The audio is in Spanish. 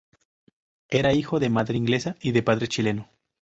Era hijo de madre inglesa y de padre chileno.